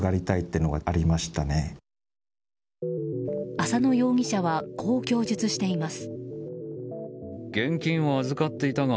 浅野容疑者はこう供述しています。